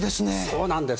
そうなんです。